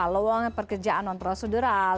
loongan pekerjaan non prosedural